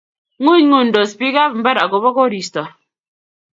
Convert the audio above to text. Ngunyngunydos biikap imbar agoba koristo